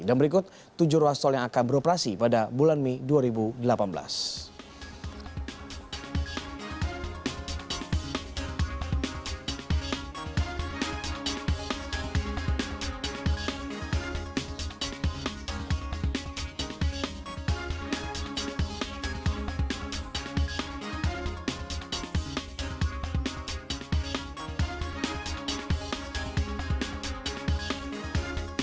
dan berikut tujuh ruas tol yang akan beroperasi pada bulan mei dua ribu delapan belas